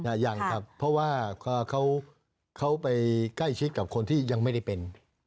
ยังครับเพราะว่าเขาไปใกล้ชิดกับคนที่ยังไม่ได้เป็น